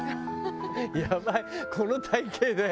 やばいこの体形で？